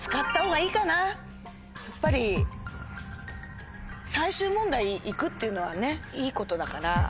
やっぱり最終問題行くっていうのはいいことだから。